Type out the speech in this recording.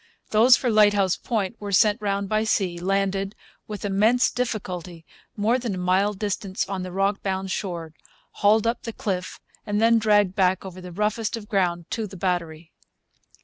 Those for Lighthouse Point were sent round by sea, landed, with immense difficulty, more than a mile distant on the rock bound shore, hauled up the cliff, and then dragged back over the roughest of ground to the battery.